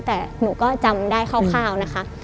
แต่หนูก็จำได้คร่าวนะคะ